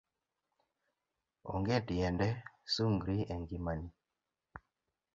Ong'e tiende sungri e ng'imani